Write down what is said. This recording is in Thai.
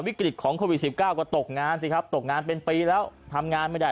วิกฤตของโควิด๑๙ก็ตกงานสิครับตกงานเป็นปีแล้วทำงานไม่ได้